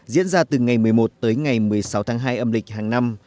diễn ra từ ngày một mươi một tới ngày một mươi sáu tháng hai âm lịch hàng năm